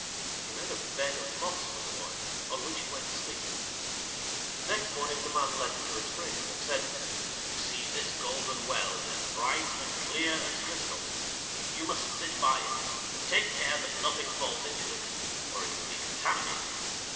He made a bed of moss for the boy, on which he went to sleep. Next morning the Man led him to a spring, and said, 'You see this golden well is bright and clear as crystal? You must sit by it, and take care that nothing falls into it, or it will be contaminated.